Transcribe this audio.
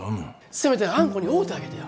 せめてあんこに会うたげてよ。